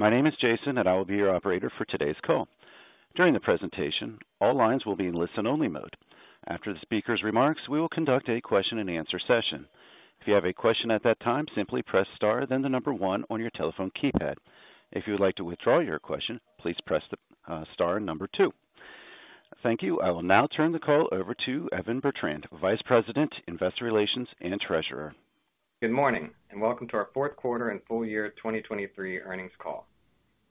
My name is Jason, and I will be your operator for today's call. During the presentation, all lines will be in listen-only mode. After the speaker's remarks, we will conduct a Q&A session. If you have a question at that time, simply press star, then the number one on your telephone keypad. If you would like to withdraw your question, please press the star and number. Thank you. I will now turn the call over to Evan Bertrand, Vice President, Investor Relations, and Treasurer. Good morning, and welcome to our Q4 and full year 2023 earnings call.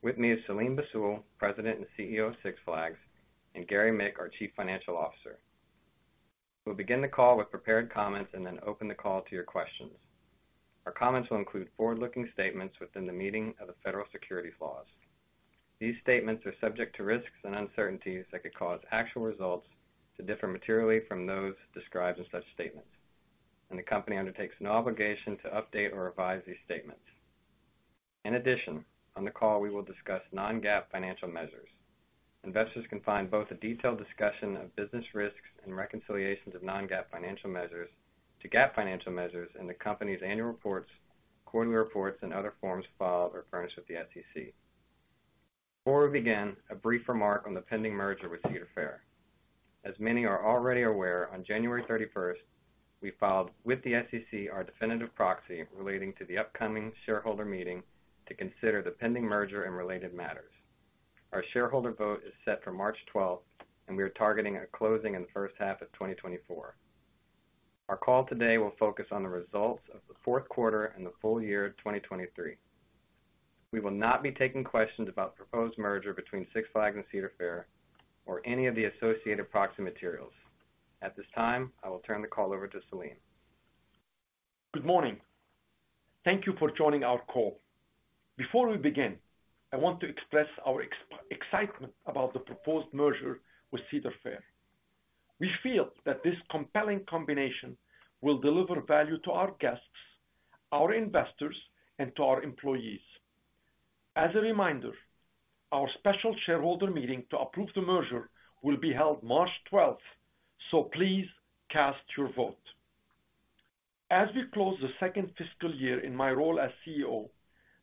With me is Selim Bassoul, President and CEO of Six Flags, and Gary Mick, our Chief Financial Officer. We'll begin the call with prepared comments and then open the call to your questions. Our comments will include forward-looking statements within the meaning of the federal securities laws. These statements are subject to risks and uncertainties that could cause actual results to differ materially from those described in such statements, and the company undertakes no obligation to update or revise these statements. In addition, on the call, we will discuss non-GAAP financial measures. Investors can find both a detailed discussion of business risks and reconciliations of non-GAAP financial measures to GAAP financial measures in the company's annual reports, quarterly reports, and other forms filed or furnished with the SEC. Before we begin, a brief remark on the pending merger with Cedar Fair. As many are already aware, on January 31st, we filed with the SEC our definitive proxy relating to the upcoming shareholder meeting to consider the pending merger and related matters. Our shareholder vote is set for March 12th, and we are targeting a closing in the H1 of 2024. Our call today will focus on the results of the Q4 and the full year 2023. We will not be taking questions about the proposed merger between Six Flags and Cedar Fair or any of the associated proxy materials. At this time, I will turn the call over to Selim. Good morning. Thank you for joining our call. Before we begin, I want to express our excitement about the proposed merger with Cedar Fair. We feel that this compelling combination will deliver value to our guests, our investors, and to our employees. As a reminder, our special shareholder meeting to approve the merger will be held March 12th, so please cast your vote. As we close the second fiscal year in my role as CEO,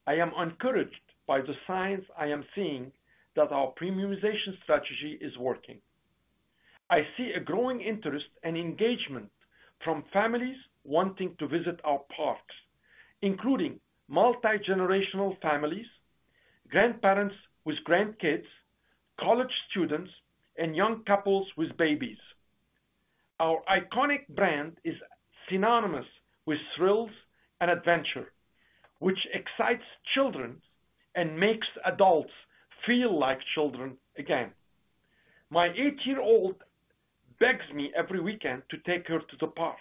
I am encouraged by the signs I am seeing that our premiumization strategy is working. I see a growing interest and engagement from families wanting to visit our parks, including multi-generational families, grandparents with grandkids, college students, and young couples with babies. Our iconic brand is synonymous with thrills and adventure, which excites children and makes adults feel like children again. My 8-year-old begs me every weekend to take her to the park,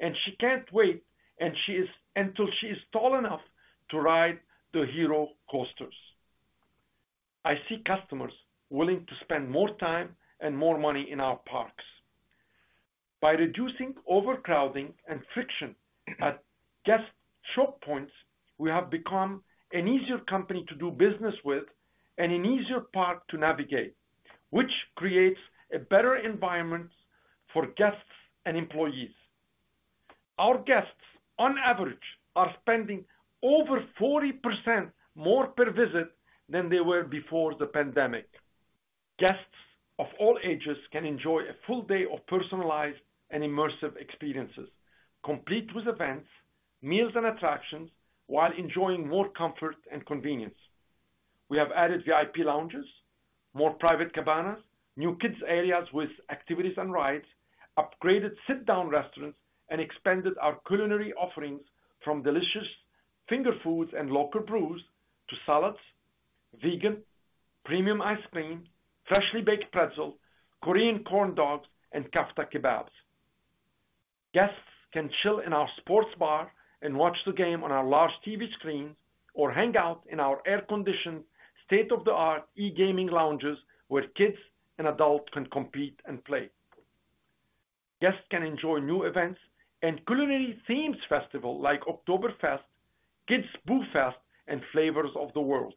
and she can't wait until she is tall enough to ride the hero coasters. I see customers willing to spend more time and more money in our parks. By reducing overcrowding and friction at guest choke points, we have become an easier company to do business with and an easier park to navigate, which creates a better environment for guests and employees. Our guests, on average, are spending over 40% more per visit than they were before the pandemic. Guests of all ages can enjoy a full day of personalized and immersive experiences, complete with events, meals, and attractions, while enjoying more comfort and convenience. We have added VIP lounges, more private cabanas, new kids' areas with activities and rides, upgraded sit-down restaurants, and expanded our culinary offerings from delicious finger foods and local brews to salads, vegan, premium ice cream, freshly baked pretzels, Korean corn dogs, and kafta kebabs. Guests can chill in our sports bar and watch the game on our large TV screens or hang out in our air-conditioned, state-of-the-art e-gaming lounges where kids and adults can compete and play. Guests can enjoy new events and culinary themes festivals like Oktoberfest, Kids' Boo Fest, and Flavors of the World.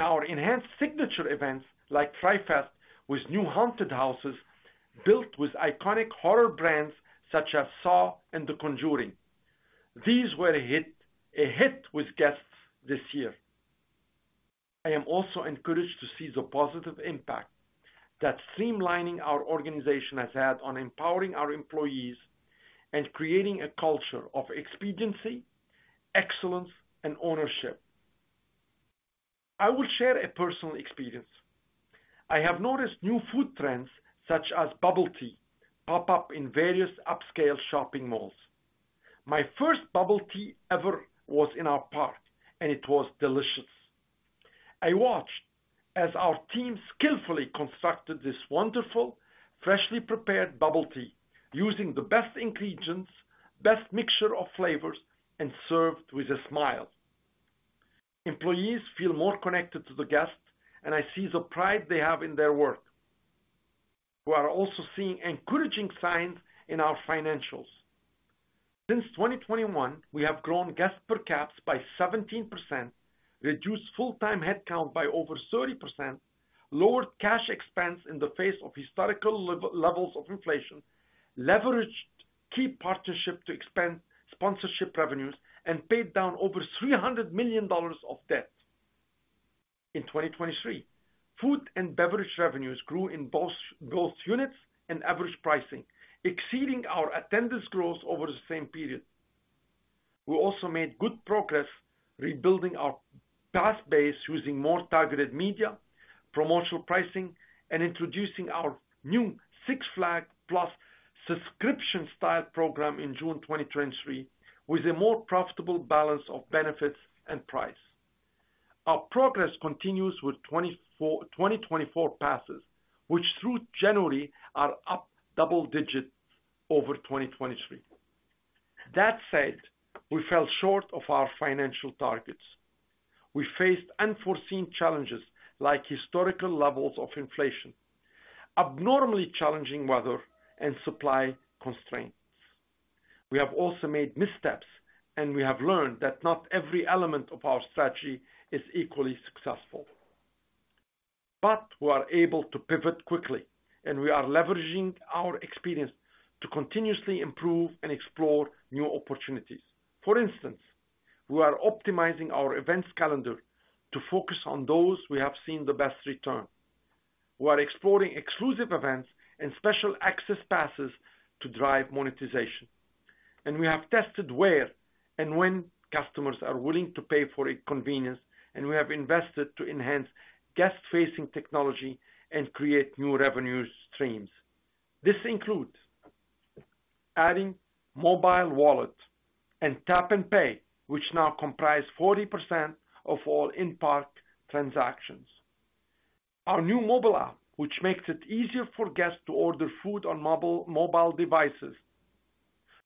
Our enhanced signature events like Fright Fest with new haunted houses built with iconic horror brands such as Saw and The Conjuring. These were a hit with guests this year. I am also encouraged to see the positive impact that streamlining our organization has had on empowering our employees and creating a culture of expediency, excellence, and ownership. I will share a personal experience. I have noticed new food trends such as bubble tea pop up in various upscale shopping malls. My first bubble tea ever was in our park, and it was delicious. I watched as our team skillfully constructed this wonderful, freshly prepared bubble tea using the best ingredients, best mixture of flavors, and served with a smile. Employees feel more connected to the guests, and I see the pride they have in their work. We are also seeing encouraging signs in our financials. Since 2021, we have grown guest per capita by 17%, reduced full-time headcount by over 30%, lowered cash expense in the face of historical levels of inflation, leveraged key partnership to expand sponsorship revenues, and paid down over $300 million of debt. In 2023, food and beverage revenues grew in both units and average pricing, exceeding our attendance growth over the same period. We also made good progress rebuilding our pass base using more targeted media, promotional pricing, and introducing our new Six Flags Plus subscription-style program in June 2023 with a more profitable balance of benefits and price. Our progress continues with 2024 passes, which through January are up double digits over 2023. That said, we fell short of our financial targets. We faced unforeseen challenges like historical levels of inflation, abnormally challenging weather, and supply constraints. We have also made missteps, and we have learned that not every element of our strategy is equally successful. But we are able to pivot quickly, and we are leveraging our experience to continuously improve and explore new opportunities. For instance, we are optimizing our events calendar to focus on those we have seen the best return. We are exploring exclusive events and special access passes to drive monetization. And we have tested where and when customers are willing to pay for a convenience, and we have invested to enhance guest-facing technology and create new revenue streams. This includes adding mobile wallet and tap-and-pay, which now comprise 40% of all in-park transactions. Our new mobile app, which makes it easier for guests to order food on mobile devices.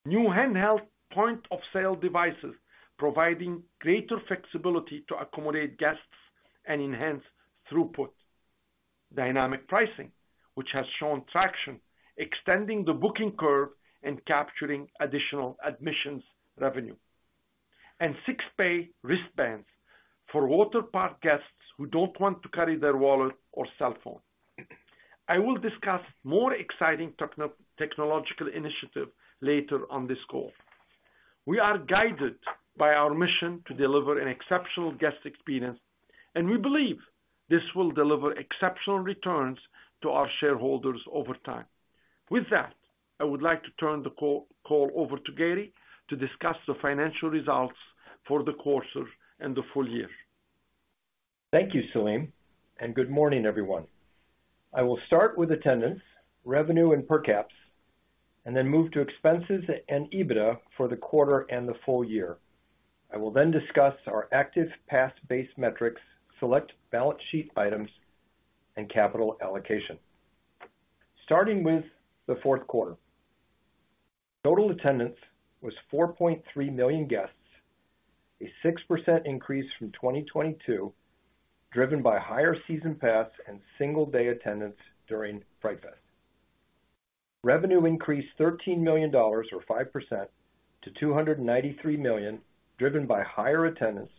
New handheld point-of-sale devices providing greater flexibility to accommodate guests and enhance throughput. Dynamic pricing, which has shown traction, extending the booking curve and capturing additional admissions revenue. SixPay wristbands for waterpark guests who don't want to carry their wallet or cell phone. I will discuss more exciting technological initiatives later on this call. We are guided by our mission to deliver an exceptional guest experience, and we believe this will deliver exceptional returns to our shareholders over time. With that, I would like to turn the call over to Gary to discuss the financial results for the quarter and the full year. Thank you, Selim, and good morning, everyone. I will start with attendance, revenue and per capita, and then move to expenses and EBITDA for the quarter and the full year. I will then discuss our active pass base metrics, select balance sheet items, and capital allocation. Starting with the Q4, total attendance was 4.3 million guests, a 6% increase from 2022 driven by higher season pass and single-day attendance during Fright Fest. Revenue increased $13 million or 5% to $293 million driven by higher attendance,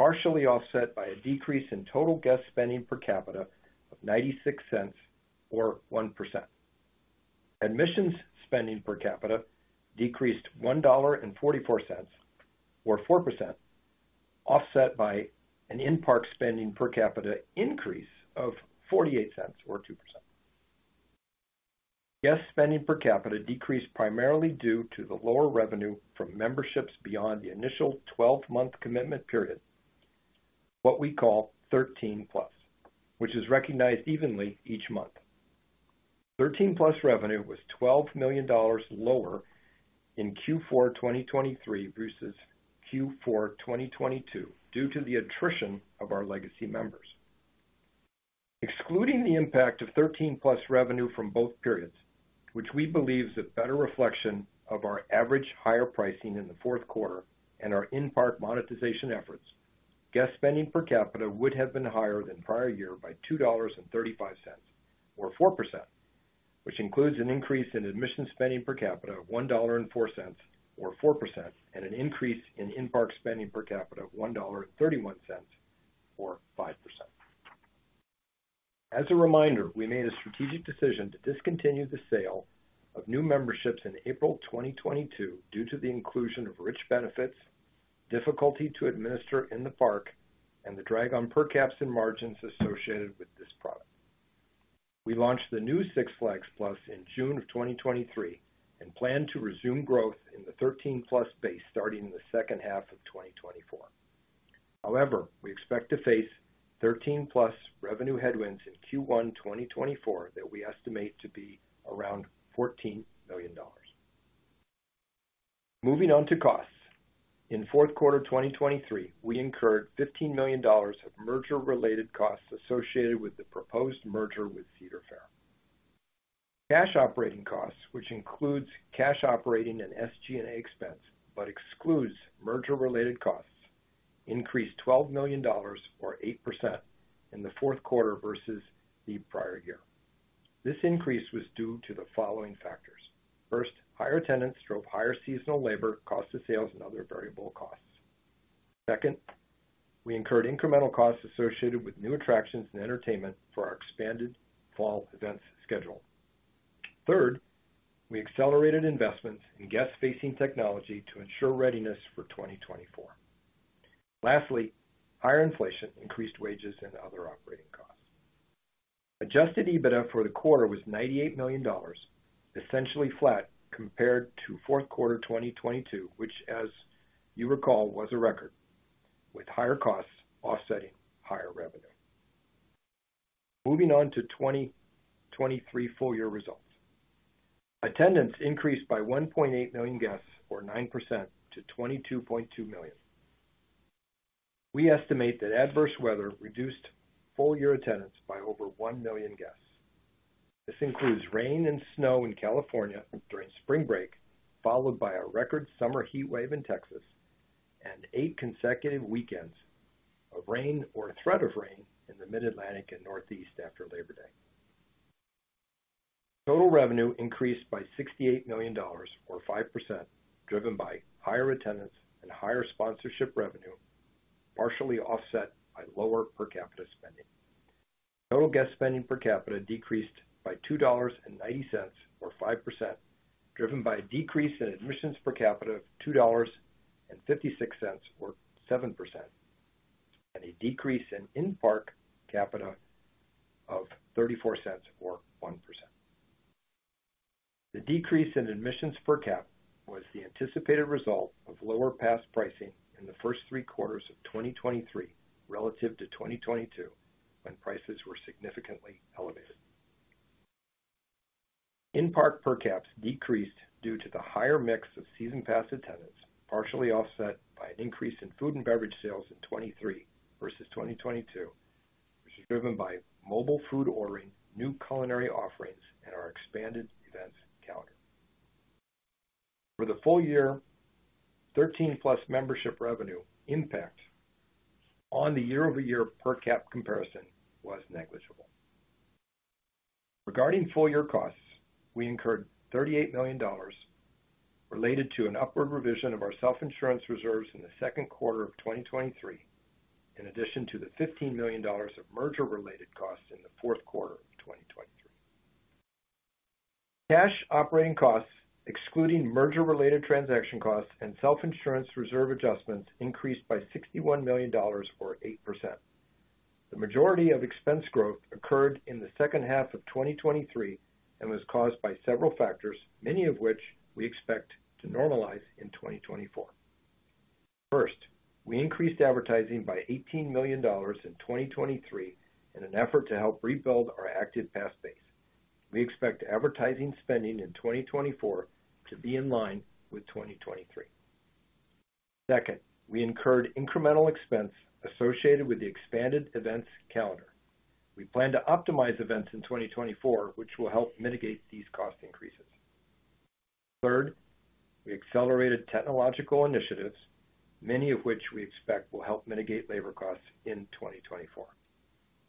partially offset by a decrease in total guest spending per capita of $0.96 or 1%. Admissions spending per capita decreased $1.44 or 4%, offset by an in-park spending per capita increase of $0.48 or 2%. Guest spending per capita decreased primarily due to the lower revenue from memberships beyond the initial 12-month commitment period, what we call 13+, which is recognized evenly each month. 13+ revenue was $12 million lower in Q4 2023 versus Q4 2022 due to the attrition of our legacy members. Excluding the impact of 13+ revenue from both periods, which we believe is a better reflection of our average higher pricing in the Q4 and our in-park monetization efforts, Guest Spending Per Capita would have been higher than prior year by $2.35 or 4%, which includes an increase in admissions spending per capita of $1.04 or 4% and an increase in In-Park Spending Per Capita of $1.31 or 5%. As a reminder, we made a strategic decision to discontinue the sale of new memberships in April 2022 due to the inclusion of rich benefits, difficulty to administer in the park, and the drag on per capita margins associated with this product. We launched the new Six Flags Plus in June of 2023 and plan to resume growth in the 13+ base starting in the H2 of 2024. However, we expect to face 13+ revenue headwinds in Q1 2024 that we estimate to be around $14 million. Moving on to costs. In Q4 2023, we incurred $15 million of merger-related costs associated with the proposed merger with Cedar Fair. Cash operating costs, which includes cash operating and SG&A expense but excludes merger-related costs, increased $12 million or 8% in the Q4 versus the prior year. This increase was due to the following factors. First, higher attendance, higher seasonal labor cost to sales and other variable costs. Second, we incurred incremental costs associated with new attractions and entertainment for our expanded fall events schedule. Third, we accelerated investments in guest-facing technology to ensure readiness for 2024. Lastly, higher inflation increased wages and other operating costs. Adjusted EBITDA for the quarter was $98 million, essentially flat compared to Q4 2022, which, as you recall, was a record, with higher costs offsetting higher revenue. Moving on to 2023 full-year results. Attendance increased by 1.8 million guests or 9% to 22.2 million. We estimate that adverse weather reduced full-year attendance by over 1 million guests. This includes rain and snow in California during spring break, followed by a record summer heat wave in Texas, and eight consecutive weekends of rain or threat of rain in the Mid-Atlantic and Northeast after Labor Day. Total revenue increased by $68 million or 5% driven by higher attendance and higher sponsorship revenue, partially offset by lower per capita spending. Total guest spending per capita decreased by $2.90 or 5% driven by a decrease in admissions per capita of $2.56 or 7%, and a decrease in in-park per capita of $0.34 or 1%. The decrease in admissions per capita was the anticipated result of lower past pricing in the first three quarters of 2023 relative to 2022 when prices were significantly elevated. In-park per capita decreased due to the higher mix of season pass attendance, partially offset by an increase in food and beverage sales in 2023 versus 2022, which was driven by mobile food ordering, new culinary offerings, and our expanded events calendar. For the full year, 13+ membership revenue impact on the year-over-year per capita comparison was negligible. Regarding full-year costs, we incurred $38 million related to an upward revision of our self-insurance reserves in the Q2 of 2023, in addition to the $15 million of merger-related costs in the Q4 of 2023. Cash operating costs, excluding merger-related transaction costs and self-insurance reserves adjustments, increased by $61 million or 8%. The majority of expense growth occurred in the H2 of 2023 and was caused by several factors, many of which we expect to normalize in 2024. First, we increased advertising by $18 million in 2023 in an effort to help rebuild our Active Pass Base. We expect advertising spending in 2024 to be in line with 2023. Second, we incurred incremental expense associated with the expanded events calendar. We plan to optimize events in 2024, which will help mitigate these cost increases. Third, we accelerated technological initiatives, many of which we expect will help mitigate labor costs in 2024.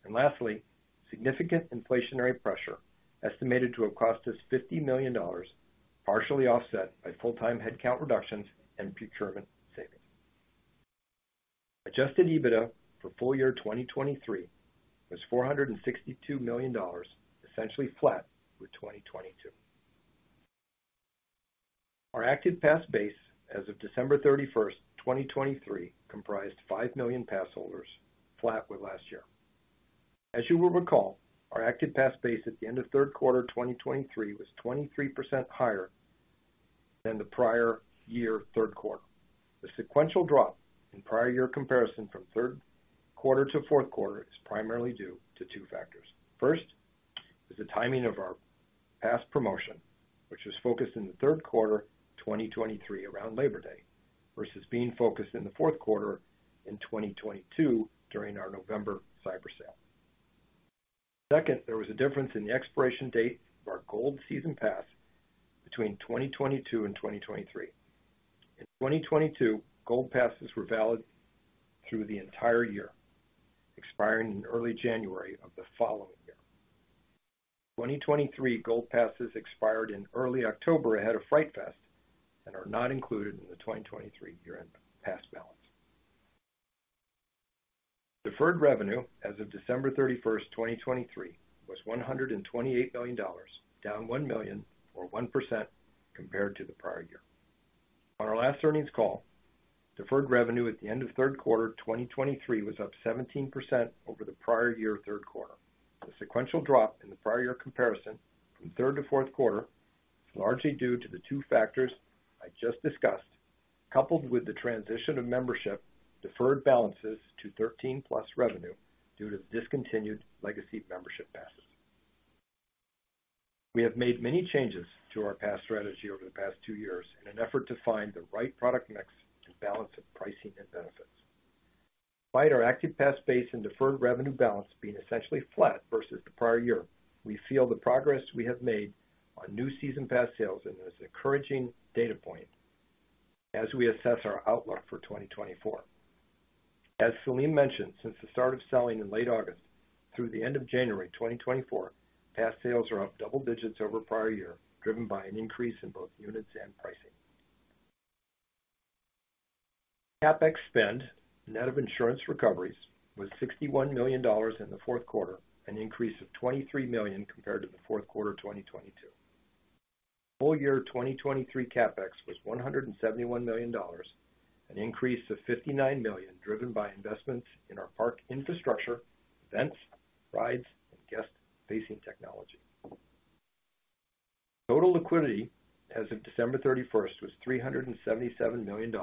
And lastly, significant inflationary pressure estimated to have cost us $50 million, partially offset by full-time headcount reductions and procurement savings. Adjusted EBITDA for full year 2023 was $462 million, essentially flat with 2022. Our active pass base as of December 31, 2023, comprised 5 million pass holders, flat with last year. As you will recall, our active pass base at the end of Q3 2023 was 23% higher than the prior year Q3. The sequential drop in prior year comparison from Q3 to Q4 is primarily due to two factors. First was the timing of our pass promotion, which was focused in the Q3 2023 around Labor Day versus being focused in the Q4 in 2022 during our November Cyber Sale. Second, there was a difference in the expiration date of our gold season pass between 2022 and 2023. In 2022, gold passes were valid through the entire year, expiring in early January of the following year. 2023 gold passes expired in early October ahead of Fright Fest and are not included in the 2023 year-end pass balance. Deferred revenue as of December 31, 2023, was $128 million, down $1 million or 1% compared to the prior year. On our last earnings call, deferred revenue at the end of Q3 2023 was up 17% over the prior year Q3. The sequential drop in the prior year comparison from third to Q4 is largely due to the two factors I just discussed, coupled with the transition of membership deferred balances to 13+ revenue due to discontinued legacy membership passes. We have made many changes to our pass strategy over the past two years in an effort to find the right product mix and balance of pricing and benefits. Despite our active pass base and deferred revenue balance being essentially flat versus the prior year, we feel the progress we have made on new season pass sales in an encouraging data point as we assess our outlook for 2024. As Selim mentioned, since the start of selling in late August through the end of January 2024, pass sales are up double digits over prior year, driven by an increase in both units and pricing. CapEx spend net of insurance recoveries was $61 million in the Q4, an increase of $23 million compared to the Q4 2022. Full year 2023 CapEx was $171 million, an increase of $59 million driven by investments in our park infrastructure, events, rides, and guest-facing technology. Total liquidity as of December 31 was $377 million,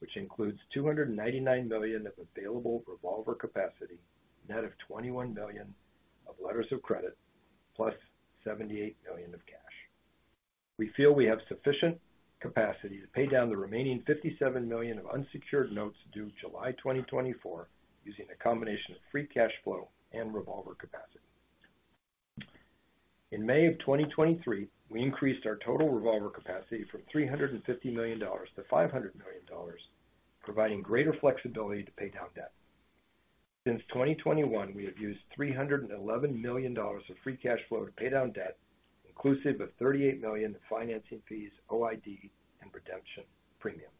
which includes $299 million of available revolver capacity, net of $21 million of letters of credit, plus $78 million of cash. We feel we have sufficient capacity to pay down the remaining $57 million of unsecured notes due July 2024 using a combination of free cash flow and revolver capacity. In May of 2023, we increased our total revolver capacity from $350 million to $500 million, providing greater flexibility to pay down debt. Since 2021, we have used $311 million of free cash flow to pay down debt, inclusive of $38 million in financing fees, OID, and redemption premiums.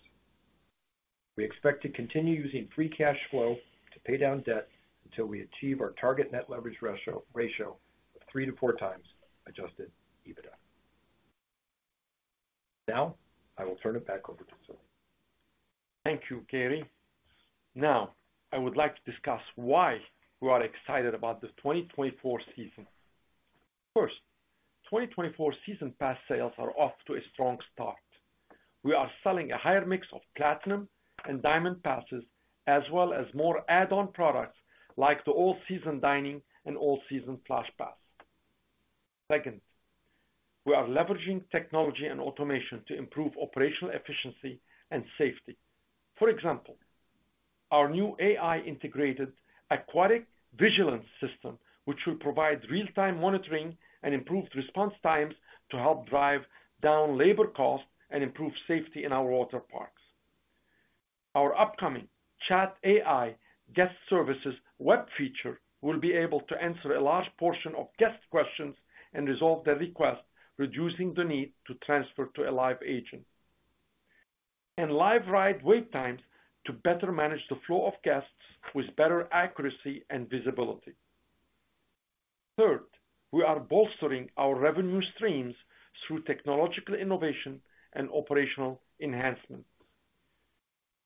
We expect to continue using free cash flow to pay down debt until we achieve our target net leverage ratio of 3-4x Adjusted EBITDA. Now I will turn it back over to Selim. Thank you, Gary. Now, I would like to discuss why we are excited about the 2024 season. First, 2024 season pass sales are off to a strong start. We are selling a higher mix of Platinum and Diamond passes, as well as more add-on products like the All Season Dining and All Season Flash Pass. Second, we are leveraging technology and automation to improve operational efficiency and safety. For example, our new AI-Integrated aquatic vigilance system, which will provide real-time monitoring and improved response times to help drive down labor costs and improve safety in our water parks. Our upcoming chat AI guest services web feature will be able to answer a large portion of guest questions and resolve their request, reducing the need to transfer to a live agent, and live ride wait times to better manage the flow of guests with better accuracy and visibility. Third, we are bolstering our revenue streams through technological innovation and operational enhancement.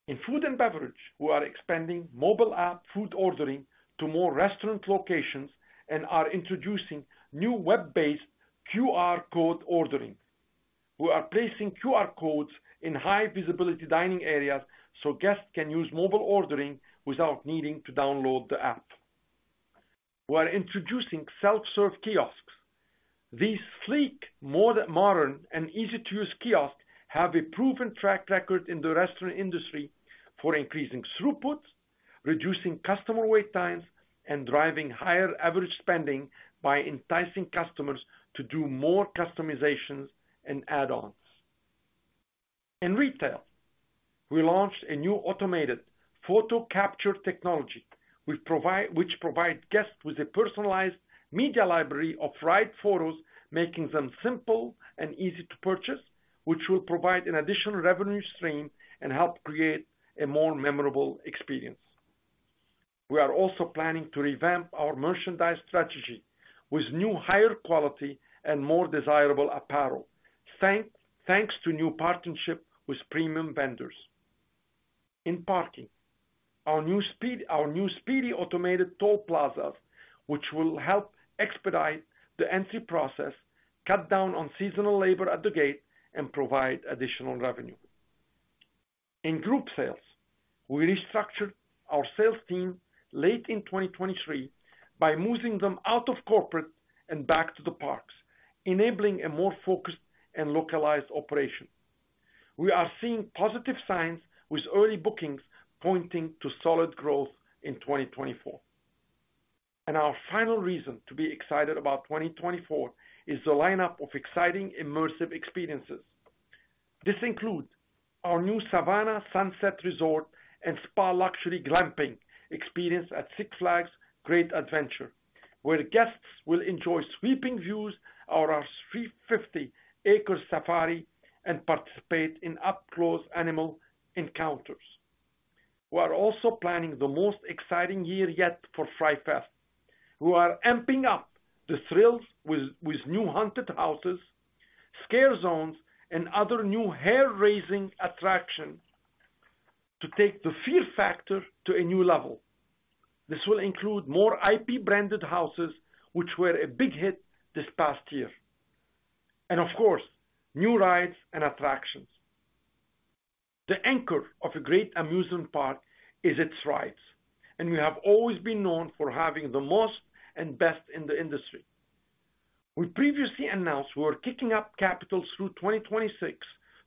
In food and beverage, we are expanding mobile app food ordering to more restaurant locations and are introducing new web-based QR code ordering. We are placing QR codes in high-visibility dining areas so guests can use mobile ordering without needing to download the app. We are introducing self-serve kiosks. These sleek, modern, and easy-to-use kiosks have a proven track record in the restaurant industry for increasing throughput, reducing customer wait times, and driving higher average spending by enticing customers to do more customizations and add-ons. In retail, we launched a new automated photo capture technology, which provides guests with a personalized media library of ride photos, making them simple and easy to purchase, which will provide an additional revenue stream and help create a more memorable experience. We are also planning to revamp our merchandise strategy with new, higher quality, and more desirable apparel, thanks to new partnerships with premium vendors. In parking, our new speedy automated toll plazas, which will help expedite the entry process, cut down on seasonal labor at the gate, and provide additional revenue. In group sales, we restructured our sales team late in 2023 by moving them out of corporate and back to the parks, enabling a more focused and localized operation. We are seeing positive signs with early bookings pointing to solid growth in 2024. Our final reason to be excited about 2024 is the lineup of exciting immersive experiences. This includes our new Savannah Sunset Resort and Spa Luxury glamping experience at Six Flags Great Adventure, where guests will enjoy sweeping views of our 350-acre safari and participate in up-close animal encounters. We are also planning the most exciting year yet for Fright Fest. We are amping up the thrills with new haunted houses, scare zones, and other new hair-raising attractions to take the fear factor to a new level. This will include more IP-branded houses, which were a big hit this past year, and, of course, new rides and attractions. The anchor of a great amusement park is its rides, and we have always been known for having the most and best in the industry. We previously announced we were kicking up capital through 2026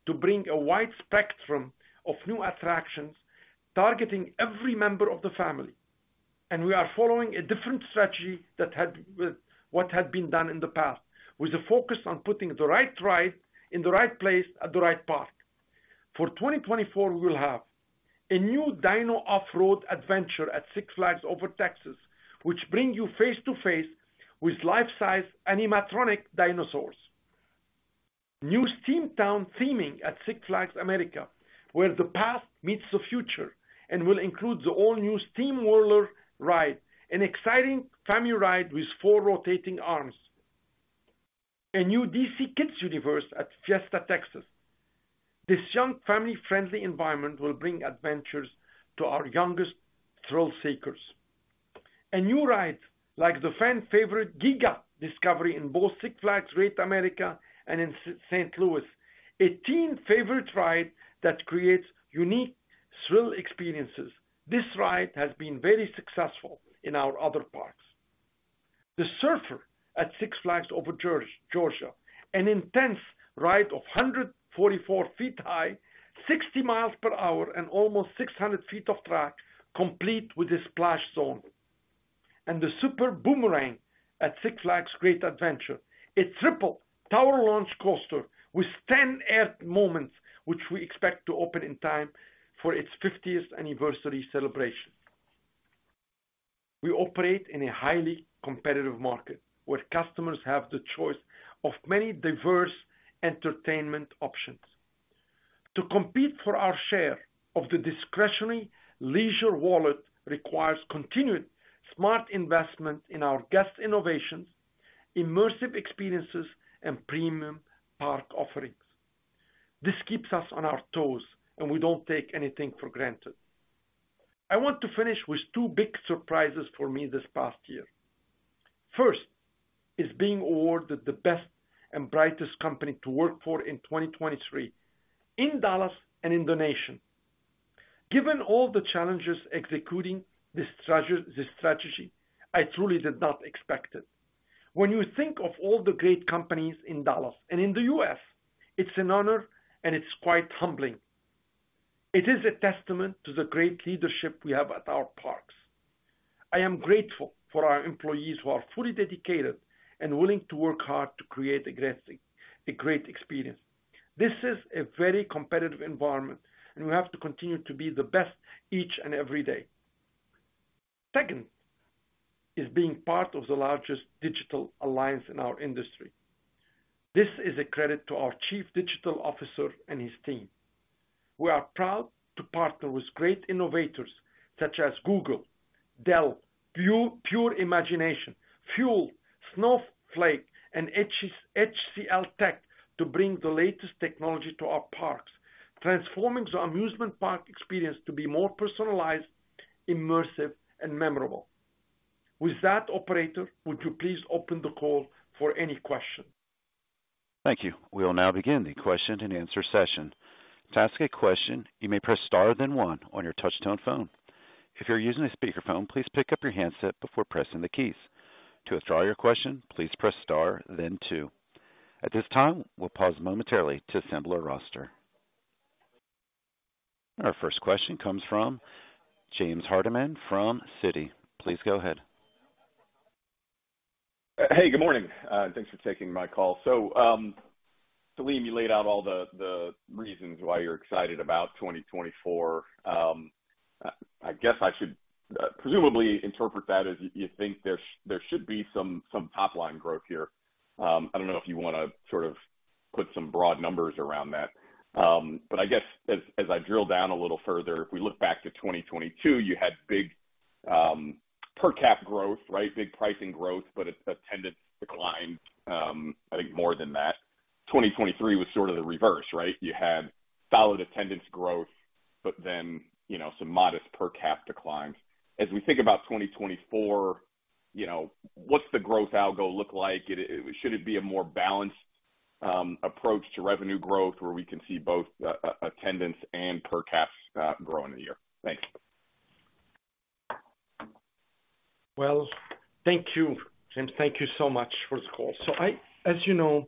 to bring a wide spectrum of new attractions targeting every member of the family. We are following a different strategy than what had been done in the past, with a focus on putting the right ride in the right place at the right park. For 2024, we will have a new Dino Off-Road Adventure at Six Flags Over Texas, which brings you face-to-face with life-size animatronic dinosaurs. New SteamTown theming at Six Flags America, where the past meets the future, and will include the all-new SteamWhirler ride, an exciting family ride with four rotating arms. A new DC Kids Universe at Six Flags Fiesta Texas. This young, family-friendly environment will bring adventures to our youngest thrill-seekers. A new ride like the fan-favorite Giga Discovery in both Six Flags Great America and in St. Louis, a teen-favorite ride that creates unique thrill experiences. This ride has been very successful in our other parks: the Surfer at Six Flags Over Georgia, an intense ride of 144ft high, 60 miles per hour, and almost 600ft of track, complete with a splash zone, and the Super Boomerang at Six Flags Great Adventure, a triple tower launch coaster with 10 air moments, which we expect to open in time for its 50th anniversary celebration. We operate in a highly competitive market where customers have the choice of many diverse entertainment options. To compete for our share of the discretionary leisure wallet requires continued smart investment in our guest innovations, immersive experiences, and premium park offerings. This keeps us on our toes, and we don't take anything for granted. I want to finish with two big surprises for me this past year. First is being awarded the Best and Brightest Company to Work For in 2023 in Dallas and in the nation. Given all the challenges executing this strategy, I truly did not expect it. When you think of all the great companies in Dallas and in the U.S., it's an honor, and it's quite humbling. It is a testament to the great leadership we have at our parks. I am grateful for our employees who are fully dedicated and willing to work hard to create a great experience. This is a very competitive environment, and we have to continue to be the best each and every day. Second is being part of the largest digital alliance in our industry. This is a credit to our Chief Digital Officer and his team. We are proud to partner with great innovators such as Google, Dell, Pure Imagination, Fuel, Snowflake, and HCL Tech to bring the latest technology to our parks, transforming the amusement park experience to be more personalized, immersive, and memorable. With that, operator, would you please open the call for any questions? Thank you. We will now begin the question-and-answer session. To ask a question, you may press star, then one on your touch-tone phone. If you're using a speakerphone, please pick up your handset before pressing the keys. To withdraw your question, please press star, then two. At this time, we'll pause momentarily to assemble our roster. Our first question comes from James Hardiman from Citi. Please go ahead. Hey, good morning. Thanks for taking my call. So, Selim, you laid out all the reasons why you're excited about 2024. I guess I should presumably interpret that as you think there should be some top-line growth here. I don't know if you want to sort of put some broad numbers around that. But I guess as I drill down a little further, if we look back to 2022, you had big per cap growth, right, big pricing growth, but attendance declined, I think, more than that. 2023 was sort of the reverse, right? You had solid attendance growth, but then some modest per cap declines. As we think about 2024, what's the growth algo look like? Should it be a more balanced approach to revenue growth where we can see both attendance and per cap grow in the year? Thanks. Well, thank you, James. Thank you so much for the call. So, as you know,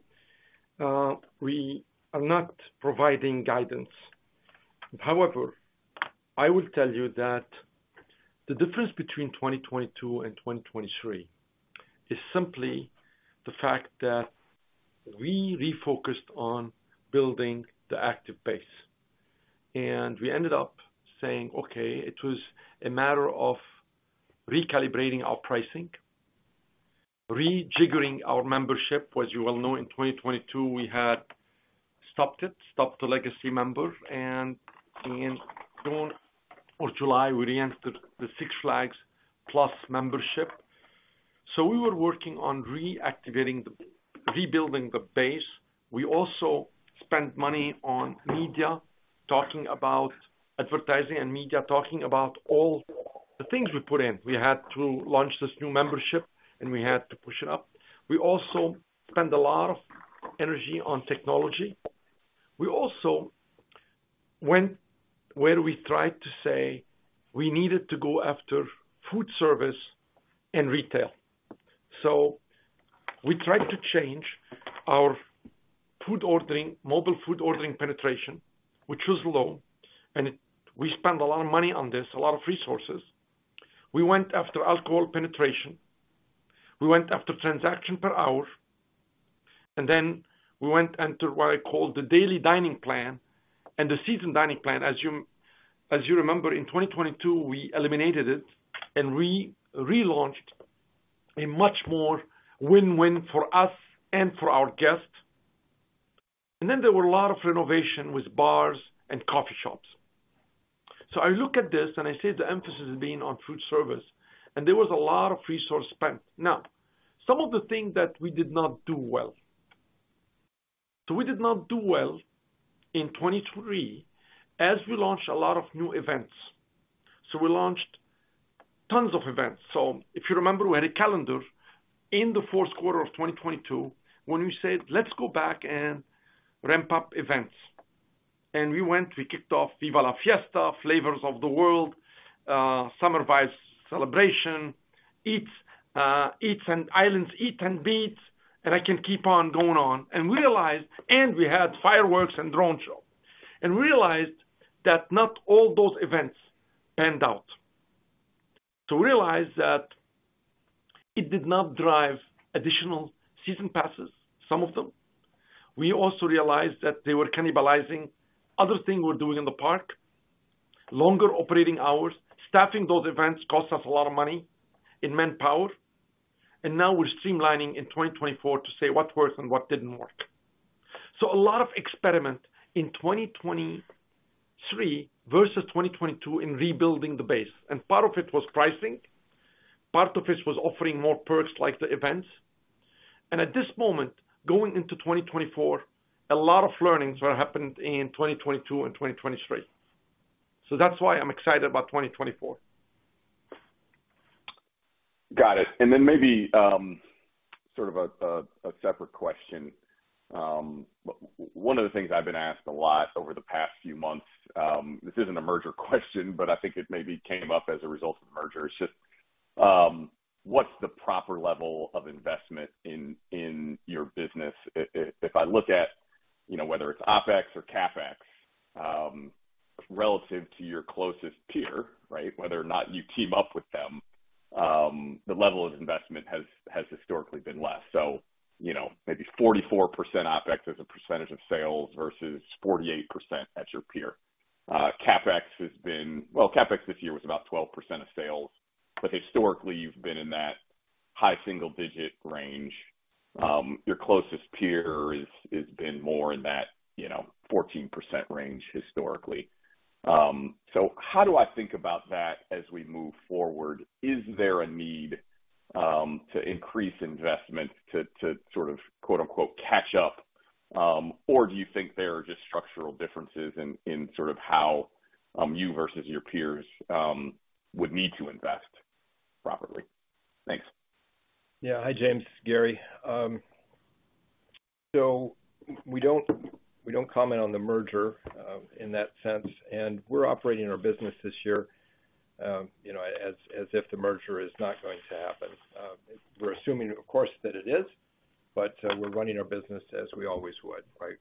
we are not providing guidance. However, I will tell you that the difference between 2022 and 2023 is simply the fact that we refocused on building the active base. We ended up saying, "Okay, it was a matter of recalibrating our pricing, rejiggering our membership." As you well know, in 2022, we had stopped it, stopped the legacy member. In June or July, we reentered the Six Flags Plus membership. We were working on reactivating, rebuilding the base. We also spent money on media talking about advertising and media talking about all the things we put in. We had to launch this new membership, and we had to push it up. We also spent a lot of energy on technology. We also went where we tried to say we needed to go after food service and retail. So we tried to change our mobile food ordering penetration, which was low, and we spent a lot of money on this, a lot of resources. We went after alcohol penetration. We went after transaction per hour. And then we went into what I call the daily dining plan and the season dining plan. As you remember, in 2022, we eliminated it and relaunched a much more win-win for us and for our guests. And then there were a lot of renovation with bars and coffee shops. So I look at this, and I say the emphasis has been on food service, and there was a lot of resource spent. Now, some of the things that we did not do well so we did not do well in 2023 as we launched a lot of new events. So we launched tons of events. So if you remember, we had a calendar in the Q4 of 2022 when we said, "Let's go back and ramp up events." And we went. We kicked off Viva La Fiesta, Flavors of the World, Summer Vibes Celebration, Eats and Islands Eat and Beat, and I can keep on going on. And we realized and we had fireworks and drone show. And we realized that not all those events panned out. So we realized that it did not drive additional season passes, some of them. We also realized that they were cannibalizing other things we were doing in the park, longer operating hours. Staffing those events cost us a lot of money in manpower. And now we're streamlining in 2024 to say what worked and what didn't work. So a lot of experiment in 2023 versus 2022 in rebuilding the base. And part of it was pricing. Part of it was offering more perks like the events. And at this moment, going into 2024, a lot of learnings have happened in 2022 and 2023. So that's why I'm excited about 2024. Got it. And then maybe sort of a separate question. One of the things I've been asked a lot over the past few months, this isn't a merger question, but I think it maybe came up as a result of the merger. It's just what's the proper level of investment in your business? If I look at whether it's OpEx or CapEx relative to your closest peer, right, whether or not you team up with them, the level of investment has historically been less. So maybe 44% OpEx as a percentage of sales versus 48% at your peer. CapEx has been well, CapEx this year was about 12% of sales, but historically, you've been in that high single-digit range. Your closest peer has been more in that 14% range historically. So how do I think about that as we move forward? Is there a need to increase investment to sort of "catch up," or do you think there are just structural differences in sort of how you versus your peers would need to invest properly? Thanks. Yeah. Hi, James, Gary. So we don't comment on the merger in that sense. We're operating our business this year as if the merger is not going to happen. We're assuming, of course, that it is, but we're running our business as we always would, right?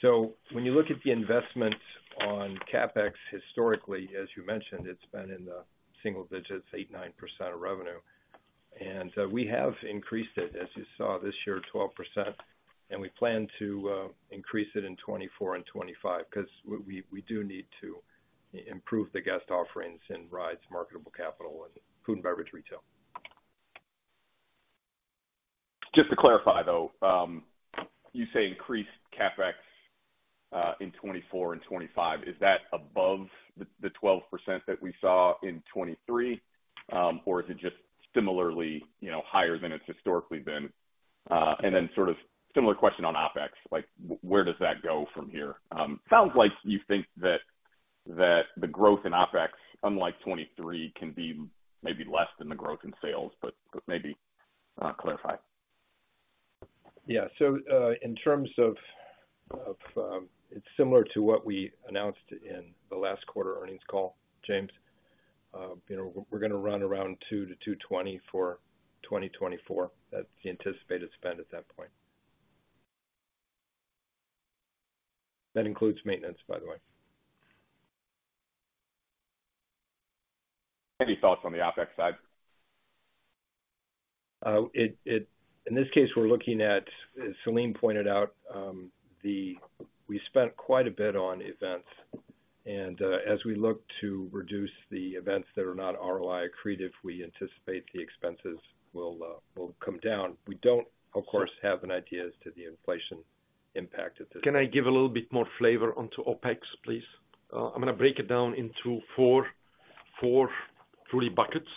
So when you look at the investments on CapEx historically, as you mentioned, it's been in the single digits, 8, 9% of revenue. And we have increased it, as you saw, this year, 12%. And we plan to increase it in 2024 and 2025 because we do need to improve the guest offerings in rides, marketable capital, and food and beverage retail. Just to clarify, though, you say increased CapEx in 2024 and 2025. Is that above the 12% that we saw in 2023, or is it just similarly higher than it's historically been? And then sort of similar question on OpEx. Where does that go from here? Sounds like you think that the growth in OpEx, unlike 2023, can be maybe less than the growth in sales, but maybe clarify. Yeah. So in terms of it's similar to what we announced in the last quarter earnings call, James. We're going to run around $200 million-$220 million for 2024. That's the anticipated spend at that point. That includes maintenance, by the way. Any thoughts on the OpEx side? In this case, we're looking at, as Selim pointed out, we spent quite a bit on events. As we look to reduce the events that are not ROI accretive, we anticipate the expenses will come down. We don't, of course, have an idea as to the inflation impact at this. Can I give a little bit more flavor onto OpEx, please? I'm going to break it down into four true buckets.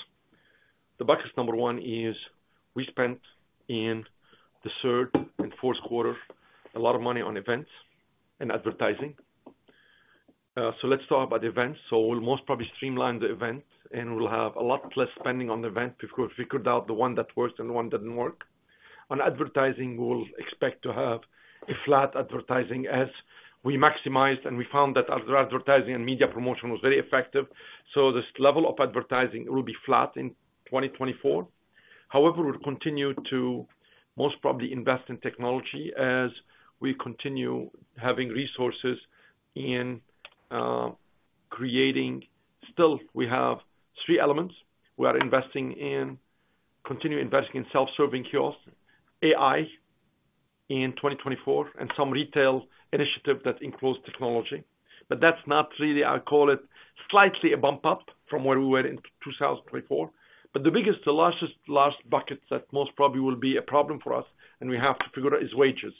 The bucket number one is we spent in the Q3 and Q4 a lot of money on events and advertising. So let's talk about events. So we'll most probably streamline the event, and we'll have a lot less spending on the event if we figured out the one that worked and the one that didn't work. On advertising, we'll expect to have a flat advertising as we maximized. We found that advertising and media promotion was very effective. So this level of advertising will be flat in 2024. However, we'll continue to most probably invest in technology as we continue having resources in creating still, we have three elements. We are continuing investing in self-service kiosks, AI in 2024, and some retail initiative that includes technology. But that's not really I call it slightly a bump-up from where we were in 2024. But the largest bucket that most probably will be a problem for us and we have to figure out is wages.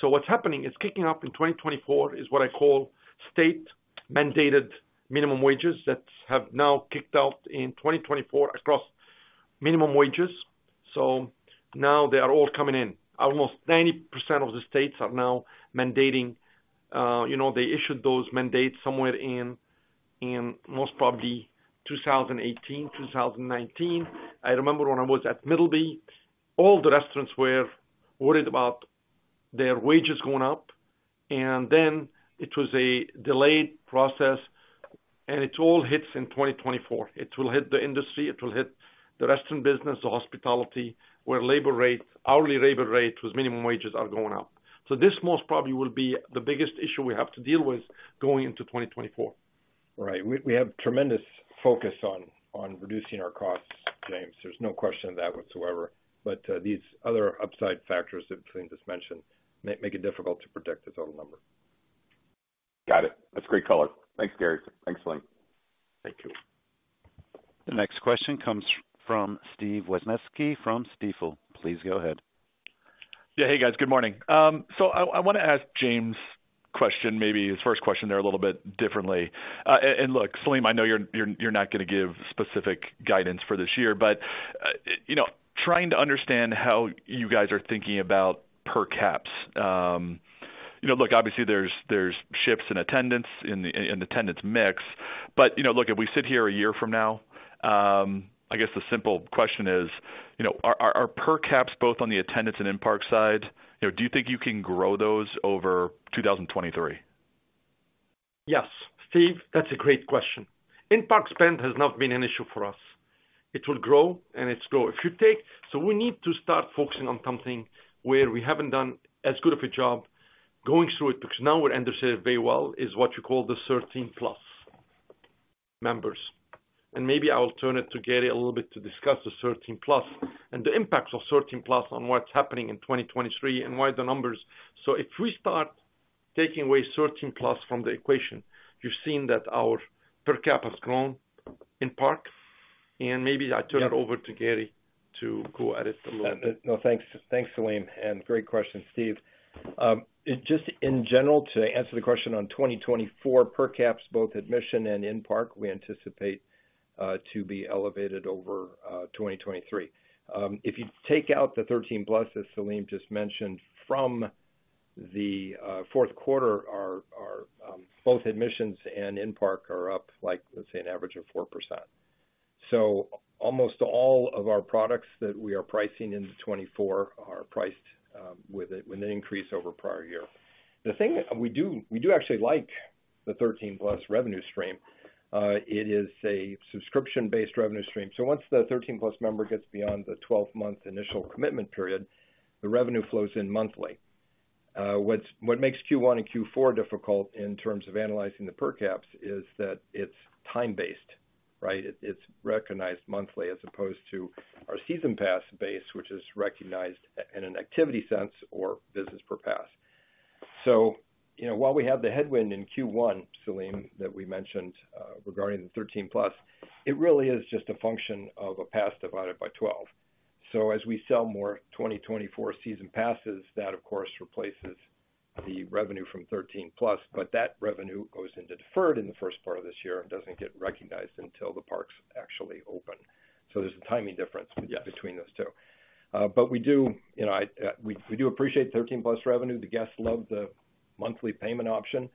So what's happening is kicking up in 2024 is what I call state-mandated minimum wages that have now kicked in in 2024 across minimum wages. So now they are all coming in. Almost 90% of the states are now mandating. They issued those mandates somewhere in most probably 2018, 2019. I remember when I was at Middleby, all the restaurants were worried about their wages going up. Then it was a delayed process. It all hits in 2024. It will hit the industry. It will hit the restaurant business, the hospitality, where hourly labor rate with minimum wages are going up. So this most probably will be the biggest issue we have to deal with going into 2024. Right. We have tremendous focus on reducing our costs, James. There's no question of that whatsoever. But these other upside factors that Selim just mentioned make it difficult to predict this total number. Got it. That's great color. Thanks, Gary. Thanks, Selim. Thank you. The next question comes from Steve Wieczynski from Stifel. Please go ahead. Yeah. Hey, guys. Good morning. So I want to ask James' question, maybe his first question there a little bit differently. And look, Selim, I know you're not going to give specific guidance for this year, but trying to understand how you guys are thinking about per caps look, obviously, there's shifts in attendance and attendance mix. But look, if we sit here a year from now, I guess the simple question is, are per caps, both on the attendance and in-park side, do you think you can grow those over 2023? Yes, Steve, that's a great question. In-park spend has not been an issue for us. It will grow, and it's growing. So we need to start focusing on something where we haven't done as good of a job going through it because now we're understood very well is what you call the 13+ members. Maybe I will turn it to Gary a little bit to discuss the 13+ and the impacts of 13+ on what's happening in 2023 and why the numbers so if we start taking away 13+ from the equation. You've seen that our per cap has grown in-park. And maybe I turn it over to Gary to go at it a little bit. No, thanks. Thanks, Selim. And great question, Steve. Just in general, to answer the question on 2024, per caps, both admission and in-park, we anticipate to be elevated over 2023. If you take out the 13+, as Selim just mentioned, from the Q4, both admissions and in-park are up, let's say, an average of 4%. So almost all of our products that we are pricing in 2024 are priced with an increase over prior year. The thing we do actually like the 13+ revenue stream. It is a subscription-based revenue stream. So once the 13+ member gets beyond the 12-month initial commitment period, the revenue flows in monthly. What makes Q1 and Q4 difficult in terms of analyzing the per caps is that it's time-based, right? It's recognized monthly as opposed to our season pass base, which is recognized in an activity sense or business per pass. So while we have the headwind in Q1, Selim, that we mentioned regarding the 13+, it really is just a function of a pass divided by 12. So as we sell more 2024 season passes, that, of course, replaces the revenue from 13+. But that revenue goes into deferred in the first part of this year and doesn't get recognized until the parks actually open. So there's a timing difference between those two. But we do appreciate 13+ revenue. The guests love the monthly payment option.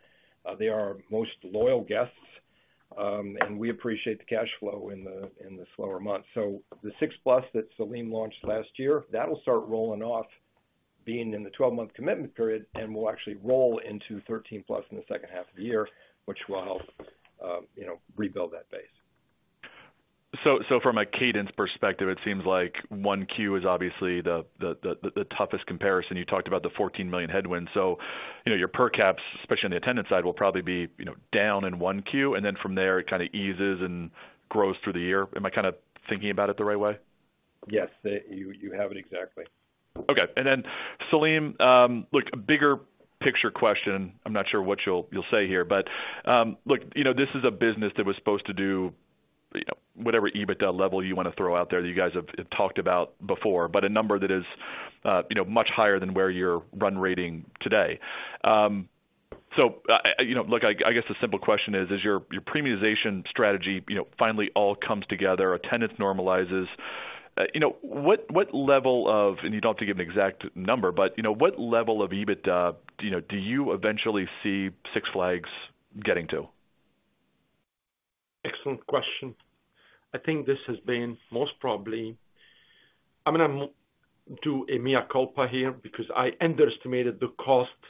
They are most loyal guests. We appreciate the cash flow in the slower months. The 6+ that Selim launched last year, that'll start rolling off being in the 12-month commitment period and will actually roll into 13+ in the H2 of the year, which will help rebuild that base. From a cadence perspective, it seems like Q1 is obviously the toughest comparison. You talked about the $14 million headwind. Your per caps, especially on the attendance side, will probably be down in Q1. Then from there, it kind of eases and grows through the year. Am I kind of thinking about it the right way? Yes, you have it exactly. Okay. Then, Selim, look, a bigger picture question. I'm not sure what you'll say here. But look, this is a business that was supposed to do whatever EBITDA level you want to throw out there that you guys have talked about before, but a number that is much higher than where you're run rating today. So look, I guess the simple question is, as your premiumization strategy finally all comes together, attendance normalizes, what level of and you don't have to give an exact number, but what level of EBITDA do you eventually see Six Flags getting to? Excellent question. I think this has been most probably I'm going to do a mea culpa here because I underestimated the cost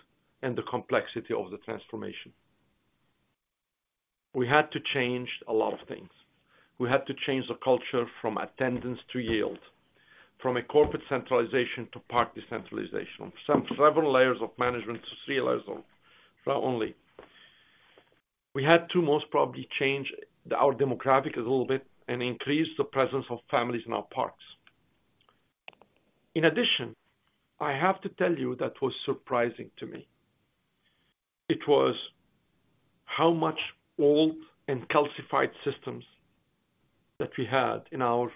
and the complexity of the transformation. We had to change a lot of things. We had to change the culture from attendance to yield, from a corporate centralization to park decentralization, from seven layers of management to three layers of only. We had to most probably change our demographic a little bit and increase the presence of families in our parks. In addition, I have to tell you that was surprising to me. It was how much old and calcified systems that we had in our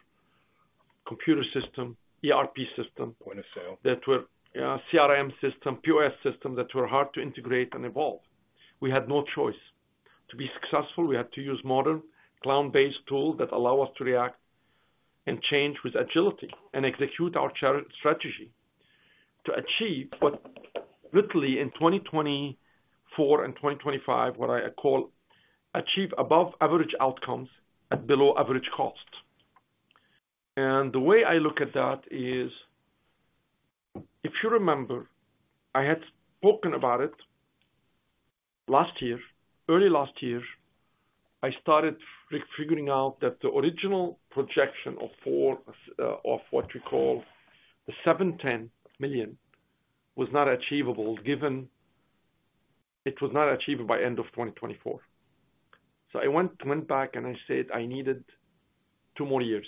computer system, ERP system, that were CRM system, POS system that were hard to integrate and evolve. We had no choice. To be successful, we had to use modern, cloud-based tools that allow us to react and change with agility and execute our strategy to achieve what, literally, in 2024 and 2025, what I call achieve above-average outcomes at below-average cost. And the way I look at that is, if you remember, I had spoken about it early last year. I started figuring out that the original projection of what we call the $710 million was not achievable given it was not achievable by end of 2024. So I went back and I said I needed two more years.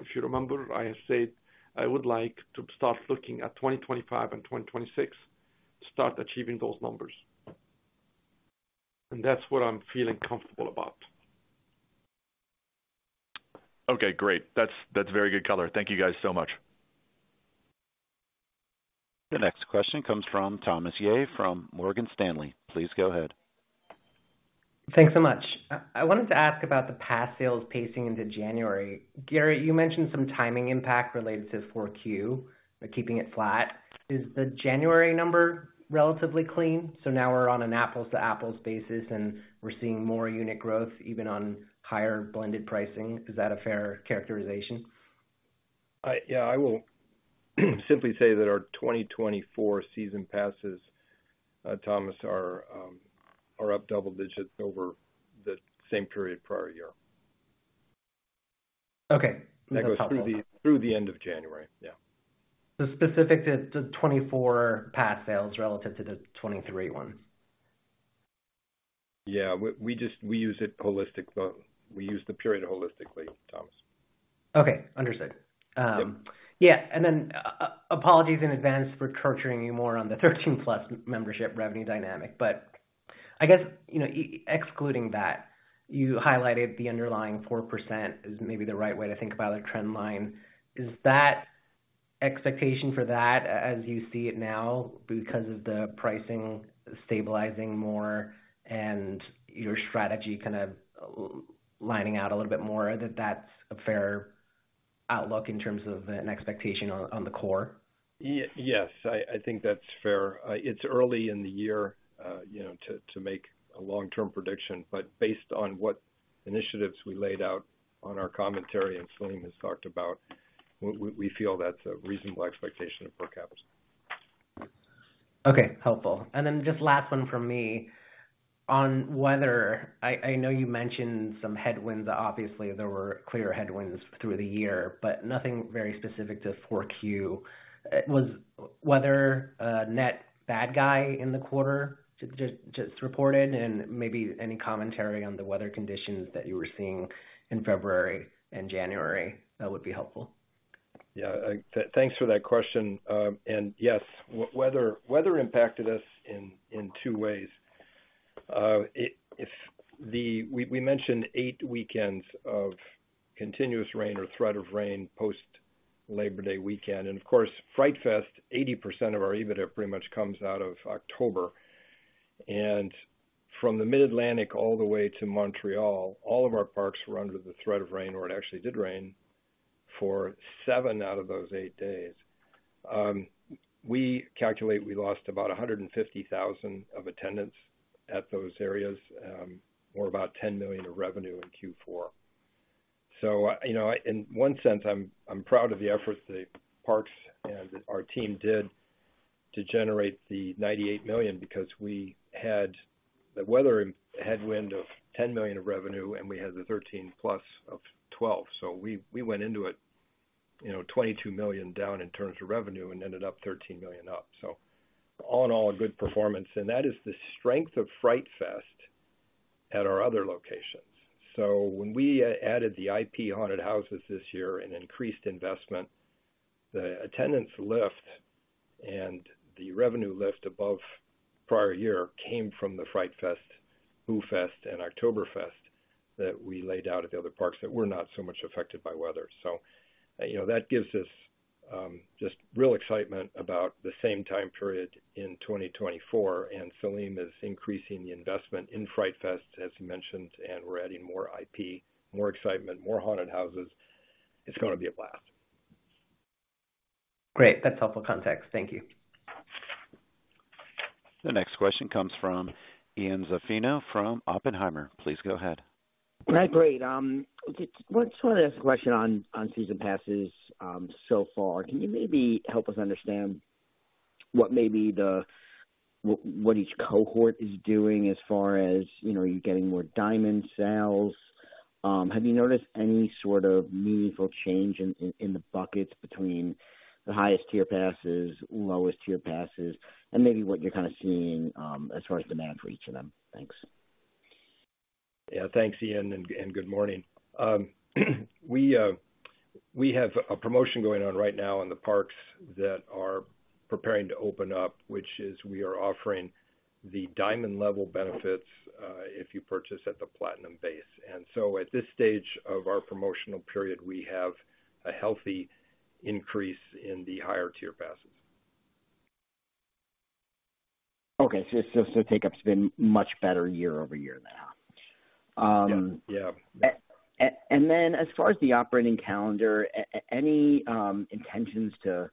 If you remember, I said I would like to start looking at 2025 and 2026 to start achieving those numbers. And that's what I'm feeling comfortable about. Okay. Great. That's very good color. Thank you guys so much. The next question comes from Thomas YeH from Morgan Stanley. Please go ahead. Thanks so much. I wanted to ask about the pass sales pacing into January. Gary, you mentioned some timing impact related to Q4, keeping it flat. Is the January number relatively clean? So now we're on an apples-to-apples basis, and we're seeing more unit growth even on higher blended pricing. Is that a fair characterization? Yeah. I will simply say that our 2024 season passes, Thomas, are up double digits over the same period prior year. That goes through the end of January. Yeah. So specific to 2024 pass sales relative to the 2023 ones? Yeah. We use it holistically. We use the period holistically, Thomas. Okay. Understood. Yeah. And then apologies in advance for coaxing you more on the 13+ membership revenue dynamic. But I guess excluding that, you highlighted the underlying 4% is maybe the right way to think about a trendline. Is that expectation for that as you see it now because of the pricing stabilizing more and your strategy kind of lining up a little bit more, that that's a fair outlook in terms of an expectation on the core? Yes. I think that's fair. It's early in the year to make a long-term prediction. Based on what initiatives we laid out on our commentary and Selim has talked about, we feel that's a reasonable expectation of per caps. Okay. Helpful. And then just last one from me on weather. I know you mentioned some headwinds. Obviously, there were clear headwinds through the year, but nothing very specific to Q4. Was weather a net bad guy in the quarter just reported? And maybe any commentary on the weather conditions that you were seeing in February and January, that would be helpful. Yeah. Thanks for that question. And yes, weather impacted us in two ways. We mentioned 8 weekends of continuous rain or threat of rain post Labor Day weekend. And of course, Fright Fest, 80% of our EBITDA pretty much comes out of October. From the Mid-Atlantic all the way to Montreal, all of our parks were under the threat of rain where it actually did rain for 7 out of those 8 days. We calculate we lost about 150,000 of attendance at those areas, or about $10 million of revenue in Q4. So in one sense, I'm proud of the efforts the parks and our team did to generate the $98 million because we had the weather headwind of $10 million of revenue, and we had the 13+ of 12. So we went into it $22 million down in terms of revenue and ended up $13 million up. So all in all, a good performance. And that is the strength of Fright Fest at our other locations. So when we added the IP-haunted houses this year and increased investment, the attendance lift and the revenue lift above prior year came from the Fright Fest, Boo Fest, and Oktoberfest that we laid out at the other parks that were not so much affected by weather. So that gives us just real excitement about the same time period in 2024. And Selim is increasing the investment in Fright Fest, as you mentioned, and we're adding more IP, more excitement, more haunted houses. It's going to be a blast. Great. That's helpful context. Thank you. The next question comes from Ian Zaffino from Oppenheimer. Please go ahead. All right. Great. I just wanted to ask a question on season passes so far. Can you maybe help us understand what each cohort is doing as far as you're getting more diamond sales. Have you noticed any sort of meaningful change in the buckets between the highest-tier passes, lowest-tier passes, and maybe what you're kind of seeing as far as demand for each of them? Thanks. Yeah. Thanks, Ian. And good morning. We have a promotion going on right now in the parks that are preparing to open up, which is we are offering the Diamond-level benefits if you purchase at the Platinum base. And so at this stage of our promotional period, we have a healthy increase in the higher-tier passes. Okay. So take-up's been much better year-over-year now. And then as far as the operating calendar, any intentions to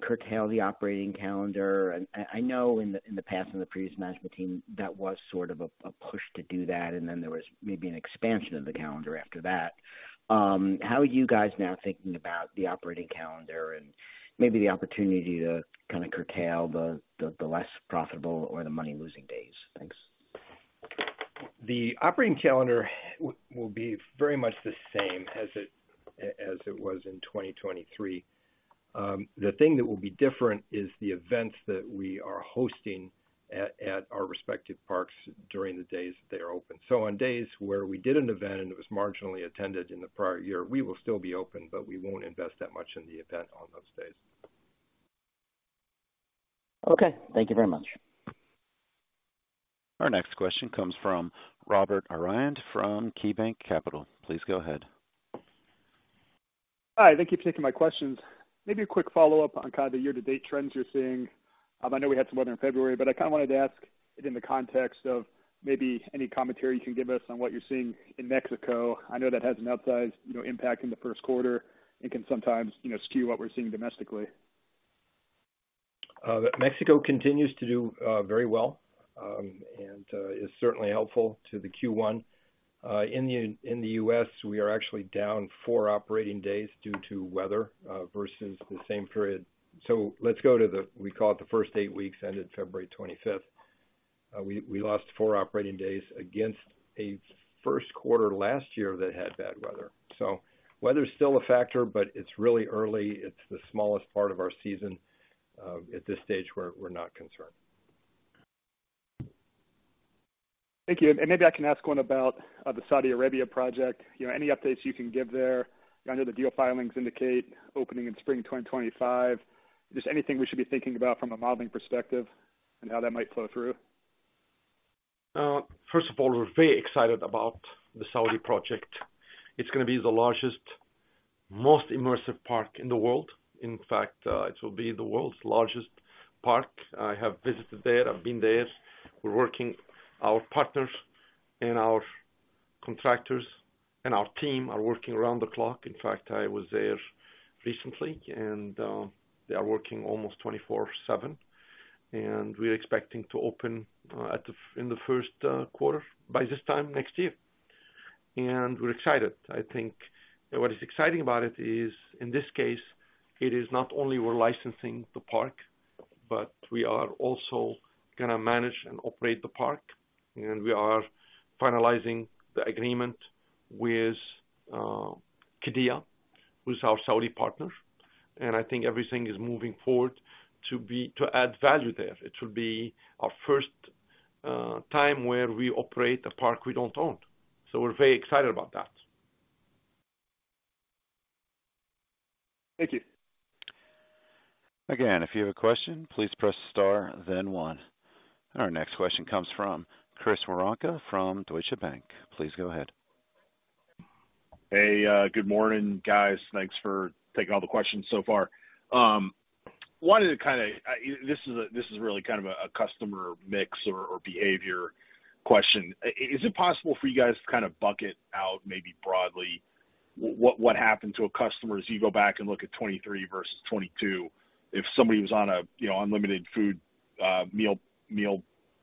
curtail the operating calendar? I know in the past and the previous management team, that was sort of a push to do that, and then there was maybe an expansion of the calendar after that. How are you guys now thinking about the operating calendar and maybe the opportunity to kind of curtail the less profitable or the money-losing days? Thanks. The operating calendar will be very much the same as it was in 2023. The thing that will be different is the events that we are hosting at our respective parks during the days that they are open. So on days where we did an event and it was marginally attended in the prior year, we will still be open, but we won't invest that much in the event on those days. Okay. Thank you very much. Our next question comes from Robert Aurand from KeyBanc Capital Markets. Please go ahead. Hi. Thank you for taking my questions. Maybe a quick follow-up on kind of the year-to-date trends you're seeing. I know we had some weather in February, but I kind of wanted to ask in the context of maybe any commentary you can give us on what you're seeing in Mexico. I know that has an outsized impact in the Q1 and can sometimes skew what we're seeing domestically. Mexico continues to do very well and is certainly helpful to the Q1. In the U.S., we are actually down four operating days due to weather versus the same period. So let's go to the we call it the first eight weeks ended February 25th. We lost four operating days against a Q1 last year that had bad weather. So weather's still a factor, but it's really early. It's the smallest part of our season. At this stage, we're not concerned. Thank you. Maybe I can ask one about the Saudi Arabia project. Any updates you can give there? I know the deal filings indicate opening in spring 2025. Just anything we should be thinking about from a modeling perspective and how that might flow through? First of all, we're very excited about the Saudi project. It's going to be the largest, most immersive park in the world. In fact, it will be the world's largest park. I have visited there. I've been there. Our partners and our contractors and our team are working around the clock. In fact, I was there recently, and they are working almost 24/7. And we're expecting to open in the Q1 by this time next year. And we're excited. I think what is exciting about it is, in this case, it is not only we're licensing the park, but we are also going to manage and operate the park. And we are finalizing the agreement with Qiddiya, who's our Saudi partner. And I think everything is moving forward to add value there. It will be our first time where we operate a park we don't own. So we're very excited about that. Thank you. Again, if you have a question, please press star, then one. And our next question comes from Chris Woronka from Deutsche Bank. Please go ahead. Hey. Good morning, guys. Thanks for taking all the questions so far. Wanted to kind of this is really kind of a customer mix or behavior question. Is it possible for you guys to kind of bucket out maybe broadly what happened to a customer as you go back and look at 2023 versus 2022? If somebody was on an unlimited food meal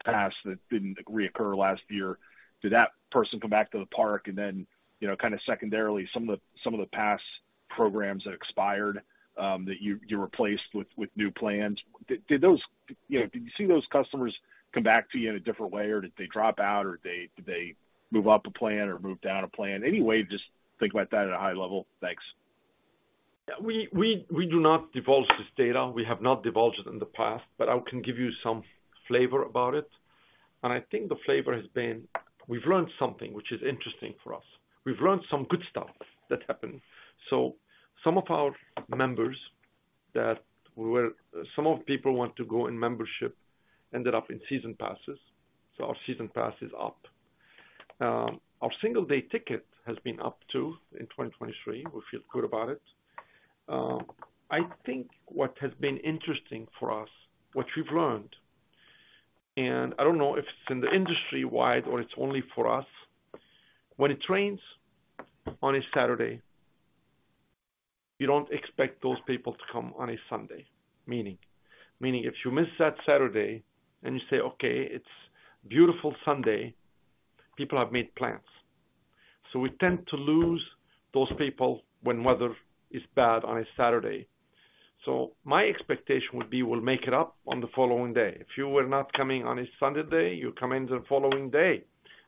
pass that didn't reoccur last year, did that person come back to the park? And then kind of secondarily, some of the pass programs that expired, that you replaced with new plans, did you see those customers come back to you in a different way, or did they drop out, or did they move up a plan or move down a plan? Any way to just think about that at a high level? Thanks. We do not divulge this data. We have not divulged it in the past, but I can give you some flavor about it. And I think the flavor has been we've learned something, which is interesting for us. We've learned some good stuff that happened. So some of our members that some of the people want to go in membership ended up in season passes. So our season pass is up. Our single-day ticket has been up too in 2023. We feel good about it. I think what has been interesting for us, what we've learned, and I don't know if it's in the industry-wide or it's only for us, when it rains on a Saturday, you don't expect those people to come on a Sunday. Meaning? Meaning if you miss that Saturday and you say, "Okay. It's beautiful Sunday," people have made plans. So we tend to lose those people when weather is bad on a Saturday. So my expectation would be we'll make it up on the following day. If you were not coming on a Sunday day, you come in the following day,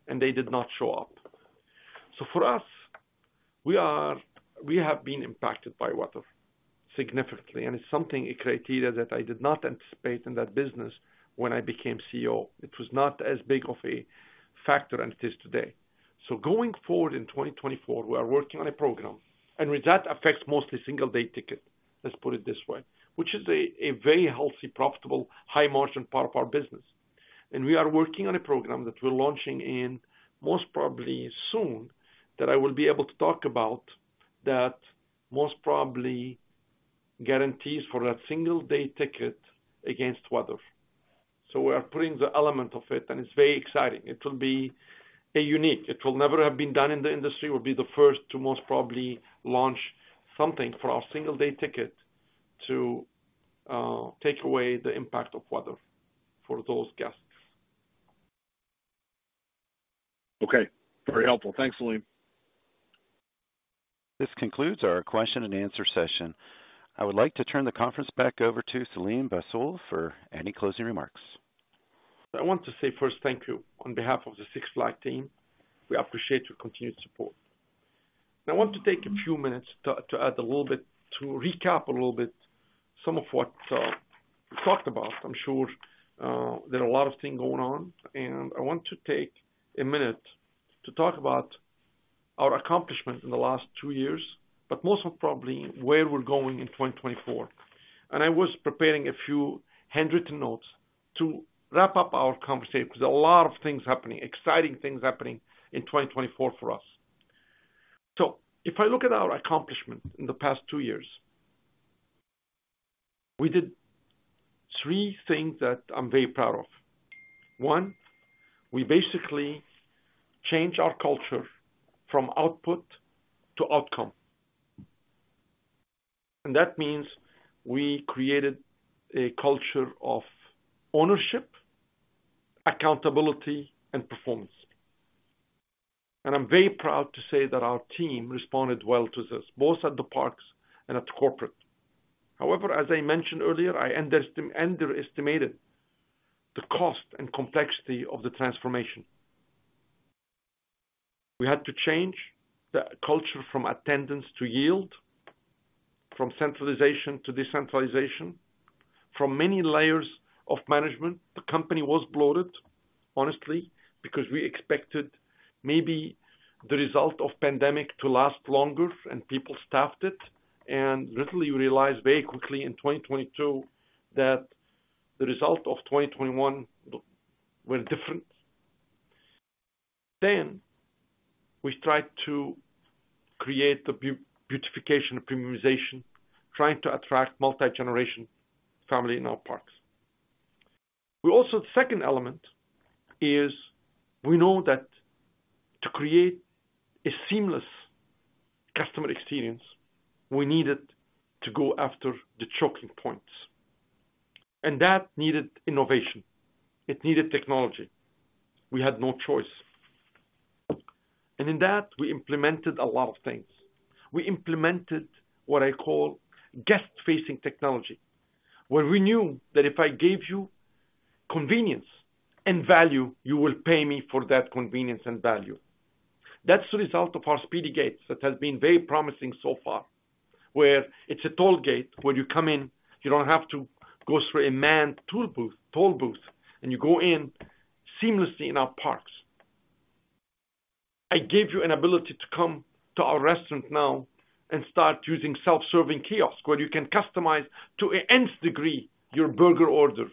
and they did not show up. So for us, we have been impacted by weather significantly. And it's something, a criteria that I did not anticipate in that business when I became CEO. It was not as big of a factor as it is today. Going forward in 2024, we are working on a program. That affects mostly single-day ticket, let's put it this way, which is a very healthy, profitable, high-margin part of our business. We are working on a program that we're launching in most probably soon that I will be able to talk about that most probably guarantees for that single-day ticket against weather. We are putting the element of it, and it's very exciting. It will be unique. It will never have been done in the industry. We'll be the first to most probably launch something for our single-day ticket to take away the impact of weather for those guests. Okay. Very helpful. Thanks, Selim. This concludes our question-and-answer session. I would like to turn the conference back over to Selim Bassoul for any closing remarks. I want to say first, thank you on behalf of the Six Flags team. We appreciate your continued support. I want to take a few minutes to add a little bit to recap a little bit some of what we talked about. I'm sure there are a lot of things going on. I want to take a minute to talk about our accomplishments in the last 2 years, but most probably where we're going in 2024. I was preparing a few handwritten notes to wrap up our conversation because there are a lot of things happening, exciting things happening in 2024 for us. If I look at our accomplishments in the past two years, we did three things that I'm very proud of. One, we basically changed our culture from output to outcome. That means we created a culture of ownership, accountability, and performance. I'm very proud to say that our team responded well to this, both at the parks and at the corporate. However, as I mentioned earlier, I underestimated the cost and complexity of the transformation. We had to change the culture from attendance to yield, from centralization to decentralization, from many layers of management. The company was bloated, honestly, because we expected maybe the result of the pandemic to last longer, and people staffed it. And literally, you realize very quickly in 2022 that the result of 2021 was different. Then we tried to create the beautification and Premiumization, trying to attract multi-generation family in our parks. The second element is we know that to create a seamless customer experience, we needed to go after the choking points. And that needed innovation. It needed technology. We had no choice. And in that, we implemented a lot of things. We implemented what I call guest-facing technology, where we knew that if I gave you convenience and value, you will pay me for that convenience and value. That's the result of our speedy gates that has been very promising so far, where it's a toll gate where you come in. You don't have to go through a manned toll booth, and you go in seamlessly in our parks. I gave you an ability to come to our restaurant now and start using self-serving kiosks where you can customize to an end degree your burger order,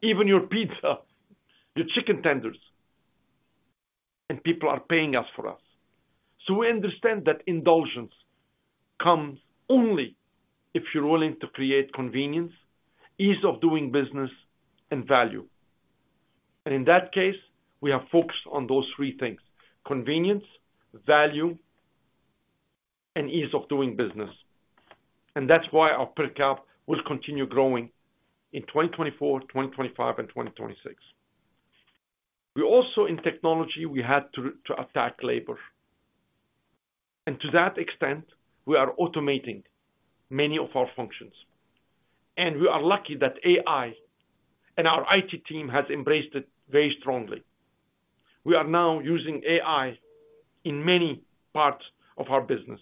even your pizza, your chicken tenders. And people are paying us for us. So we understand that indulgence comes only if you're willing to create convenience, ease of doing business, and value. And in that case, we have focused on those three things: convenience, value, and ease of doing business. And that's why our per cap will continue growing in 2024, 2025, and 2026. Also, in technology, we had to attack labor. And to that extent, we are automating many of our functions. And we are lucky that AI and our IT team has embraced it very strongly. We are now using AI in many parts of our business,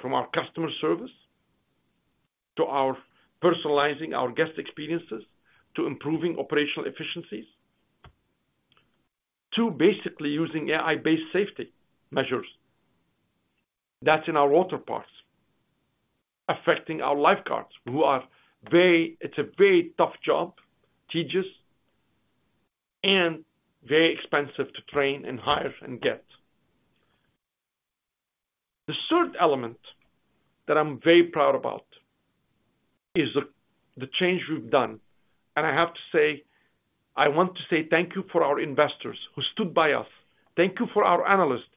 from our customer service to our personalizing our guest experiences to improving operational efficiencies, to basically using AI-based safety measures. That's in our water parks, affecting our lifeguards who are very, it's a very tough job, tedious, and very expensive to train and hire and get. The third element that I'm very proud about is the change we've done. And I have to say I want to say thank you for our investors who stood by us. Thank you for our analysts.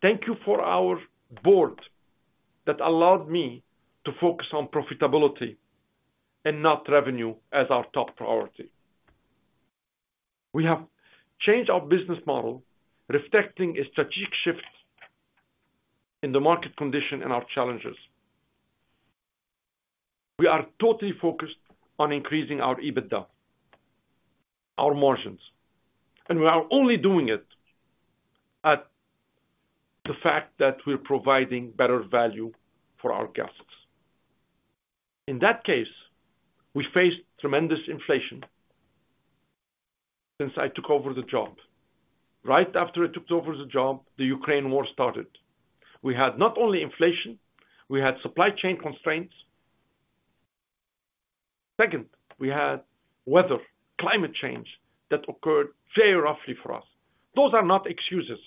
Thank you for our board that allowed me to focus on profitability and not revenue as our top priority. We have changed our business model, reflecting a strategic shift in the market condition and our challenges. We are totally focused on increasing our EBITDA, our margins. We are only doing it at the fact that we're providing better value for our guests. In that case, we faced tremendous inflation since I took over the job. Right after I took over the job, the Ukraine war started. We had not only inflation. We had supply chain constraints. Second, we had weather, climate change that occurred very roughly for us. Those are not excuses.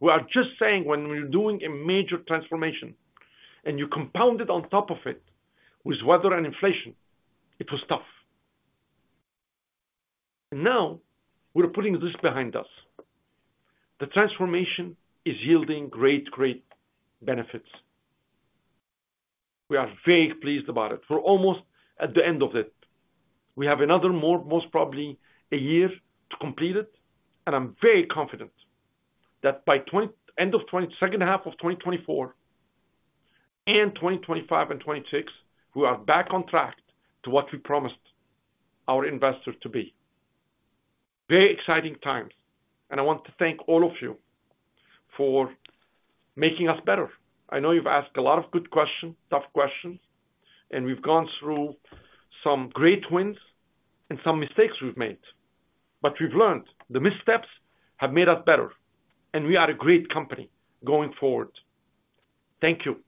We are just saying when we're doing a major transformation and you compound it on top of it with weather and inflation, it was tough. Now we're putting this behind us. The transformation is yielding great, great benefits. We are very pleased about it. We're almost at the end of it. We have another most probably a year to complete it. And I'm very confident that by end of the H2 of 2024 and 2025 and 2026, we are back on track to what we promised our investors to be. Very exciting times. And I want to thank all of you for making us better. I know you've asked a lot of good questions, tough questions. And we've gone through some great wins and some mistakes we've made. But we've learned. The missteps have made us better. And we are a great company going forward. Thank you.